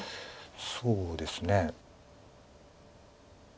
そうですね。